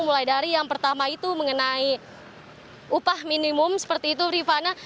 mulai dari yang pertama itu mengenai upah minimum seperti itu rifana